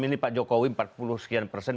milih pak jokowi empat puluh sekian persen